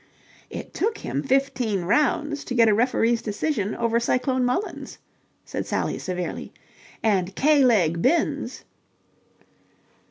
"It took him fifteen rounds to get a referee's decision over Cyclone Mullins," said Sally severely, "and K leg Binns..."